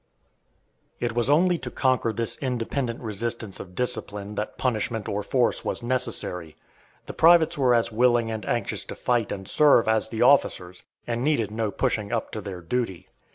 It was only to conquer this independent resistance of discipline that punishment or force was necessary. The privates were as willing and anxious to fight and serve as the officers, and needed no pushing up to their duty.